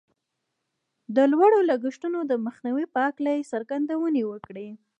د لوړو لګښتونو د مخنيوي په هکله يې څرګندونې وکړې.